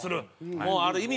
もうある意味